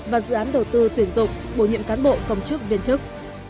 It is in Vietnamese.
và dự án đầu tư tuyển dụng bổ nhiệm cán bộ công chức viên chức